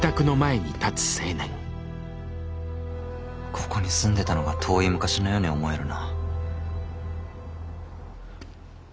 ここに住んでたのが遠い昔のように思えるな。